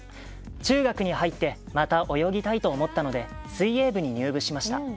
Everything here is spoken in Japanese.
中学に入ってまた泳ぎたいと思ったので水泳部に入部しました。